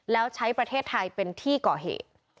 แล้วใช้ประเทศไทยเป็นที่ก่อเหตุ